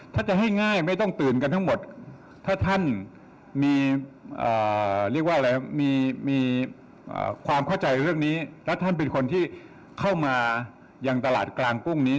ถ้าจะให้ง่ายไม่ต้องตื่นกันทั้งหมดถ้าท่านมีเรียกว่าอะไรมีความเข้าใจเรื่องนี้แล้วท่านเป็นคนที่เข้ามายังตลาดกลางกุ้งนี้